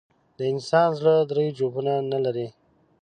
د انسان زړه درې جوفونه نه لري.